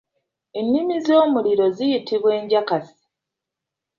Ennimi z'omuliro ziyitibwa enjakaasi.